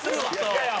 いやいや！